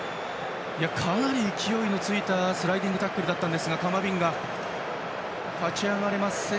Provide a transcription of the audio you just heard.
かなり勢いのついたスライディングタックルでしたがカマビンガ、立ち上がれません。